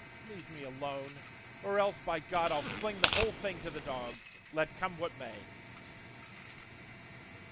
Leave me alone; or else by God I'll fling the whole thing to the dogs, let come what may."